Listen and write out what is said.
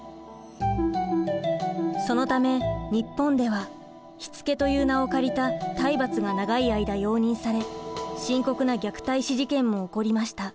そのため日本では「しつけ」という名を借りた「体罰」が長い間容認され深刻な虐待死事件も起こりました。